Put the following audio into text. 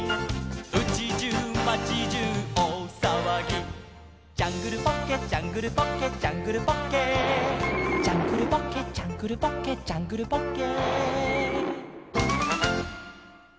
「うちじゅう町じゅうおおさわぎ」「ジャングルポッケジャングルポッケ」「ジャングルポッケ」「ジャングルポッケジャングルポッケ」「ジャングルポッケ」